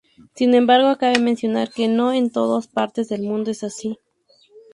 Sin embargo cabe mencionar que no en todas partes del mundo es así.